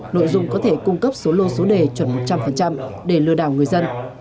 nội dung có thể cung cấp số lô số đề chuẩn một trăm linh để lừa đảo người dân